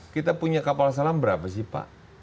kita punya kapal selam berapa sih pak